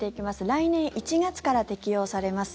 来年１月から適用されます